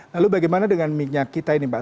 lalu bagaimana dengan minyak kita ini pak